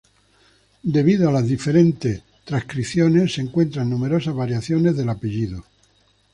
Debido a las diferentes transcripciones, se encuentran numerosas variaciones del apellido.